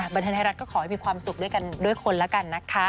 บันเทิงไทยรัฐก็ขอให้มีความสุขด้วยกันด้วยคนแล้วกันนะคะ